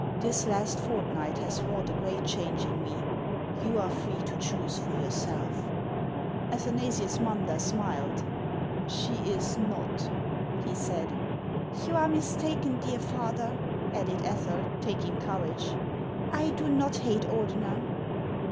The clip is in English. This last fortnight has wrought a great change in me ; you are free to choose for yourself." Athanasius Munder smiled. " She is not," he said. " You are mistaken, dear father," added Ethel, taking courage ;" I do not hate Ordener."